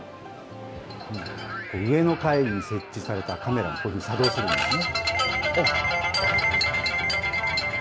上の階に設置されたカメラがこのように作動するんですね。